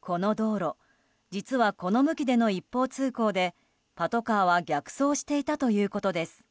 この道路実はこの向きでの一方通行でパトカーは逆走していたということです。